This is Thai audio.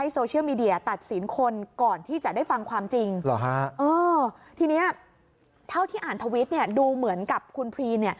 เท่าที่อ่านทวิตดูเหมือนกับคุณพรีน